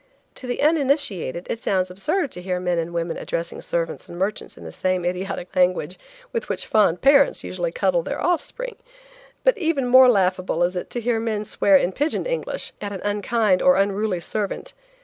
To the uninitiated it sounds absurd to hear men and women addressing servants and merchants in the same idiotic language with which fond parents usually cuddle their offspring; but even more laughable is it to hear men swear in "pigeon English," at an unkind or unruly servant.